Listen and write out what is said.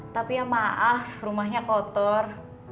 tapi ya maaf rumahnya kotor